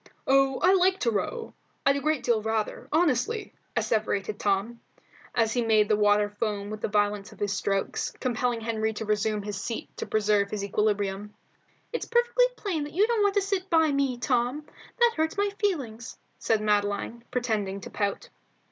"Oh, I like to row. 'I'd a great deal rather. Honestly," asseverated Tom, as he made the water foam with the violence of his strokes, compelling Henry to resume his seat to preserve his equilibrium. "It's perfectly plain that you don't want to sit by me, Tom. That hurts my feelings," said Madeline, pretending to pout.